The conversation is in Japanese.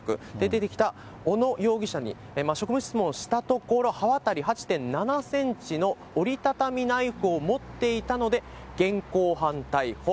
出てきた小野容疑者に職務質問をしたところ、刃渡り８．７センチの折り畳みナイフを持っていたので、現行犯逮捕。